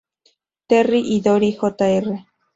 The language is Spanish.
Terry y Dory Jr.